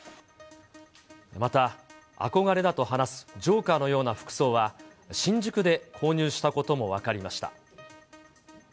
また憧れだと話すジョーカーのような服装は、新宿で購入したことも分かりました。